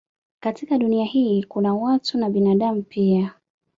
Katika Dunia hii kuna watu na binadamu pia